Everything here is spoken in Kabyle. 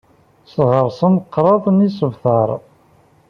Sɣersen kraḍ n yisebtar.